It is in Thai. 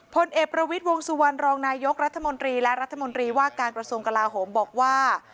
ผลเอภประวิดวงศ์สุวรรณรองนายกรรรภและรัฐมนตรีว่าการกสมกราหมบอกว่า